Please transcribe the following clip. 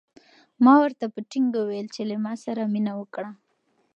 ما ورته په ټینګه وویل چې له ما سره مینه وکړه.